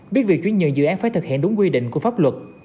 biết việc chuyển nhận dự án phải thực hiện đúng quy định của pháp luật